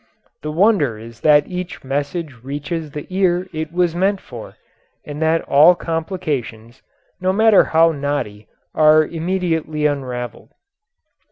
The wonder is that each message reaches the ear it was meant for, and that all complications, no matter how knotty, are immediately unravelled.